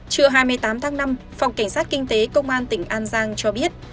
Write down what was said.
trưa hai mươi tám tháng năm phòng cảnh sát kinh tế công an tỉnh an giang cho biết